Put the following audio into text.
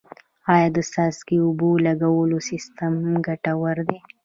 آیا د څاڅکي اوبو لګولو سیستم ګټور دی؟